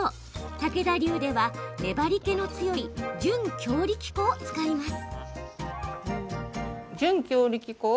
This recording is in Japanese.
たけだ流では、粘りけの強い準強力粉を使います。